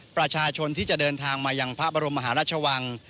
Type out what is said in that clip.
ประชาชนที่จะเดินทางมายังพระบรมมหาราชวัง